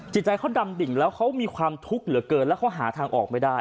จิตใจเขาดำดิ่งแล้วเขามีความทุกข์เหลือเกินแล้วเขาหาทางออกไม่ได้